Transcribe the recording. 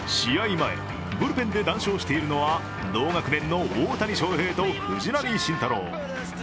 前、ブルペンで談笑しているのは同学年の大谷翔平と藤浪晋太郎。